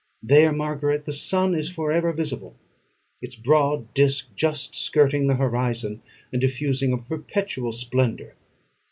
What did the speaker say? There, Margaret, the sun is for ever visible; its broad disk just skirting the horizon, and diffusing a perpetual splendour.